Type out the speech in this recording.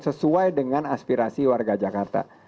sesuai dengan aspirasi warga jakarta